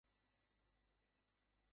সংবাদপত্রটি স্বাধীনভাবে পরিচালিত।